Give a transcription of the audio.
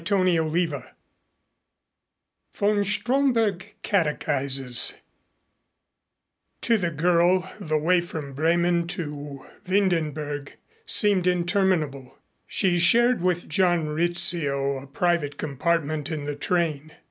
CHAPTER XIV VON STROMBERG CATECHISES To the girl the way from Bremen to Windenberg seemed interminable. She shared with John Rizzio a private compartment in the train.